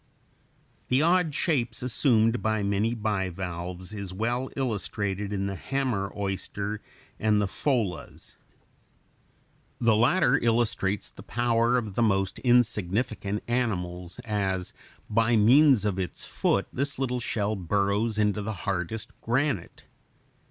The odd shapes assumed by many bivalves is well illustrated in the hammer oyster (Fig. 90) and the pholas. The latter illustrates the power of the most insignificant animals, as by means of its foot this little shell burrows into the hardest granite.